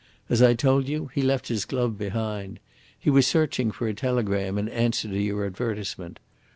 As I told you, he left his glove behind. He was searching for a telegram in answer to your advertisement.